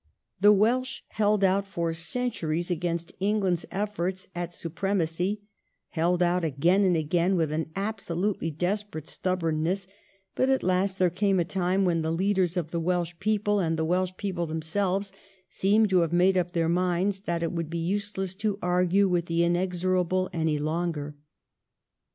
The Welsh held out for centuries against England's efforts at supremacy — held out again and again with an absolutely desperate stubbornness ; but at last there came a time when the leaders of the Welsh people and the Welsh people them selves seem to have made up their minds that it would be useless to argue with the inexorable any longer.